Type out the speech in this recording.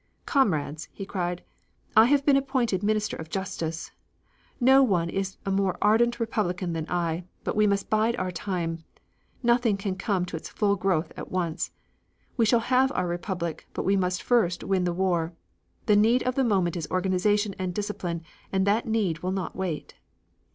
"Comrades!" he cried, "I have been appointed Minister of Justice. No one is a more ardent Republican than I, but we must bide our time. Nothing can come to its full growth at once. We shall have our Republic but we must first win the war. The need of the moment is organization and discipline and that need will not wait."